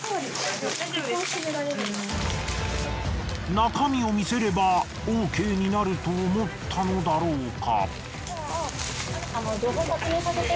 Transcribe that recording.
中身を見せればＯＫになると思ったのだろうか？